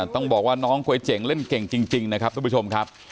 ต้องบอกว่าน้องก๋วยเจ๋งเล่นเก่งจริงนะครับทุกผู้ชมครับ